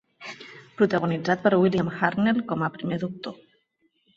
Protagonitzat per William Hartnell com a Primer doctor.